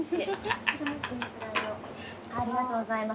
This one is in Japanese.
ありがとうございます。